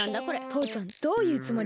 とうちゃんどういうつもり？